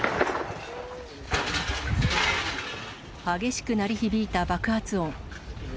激しく鳴り響いた爆発音。